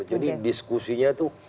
jadi diskusinya tuh